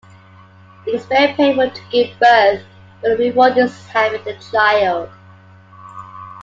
It is very painful to give birth but the reward is having the child.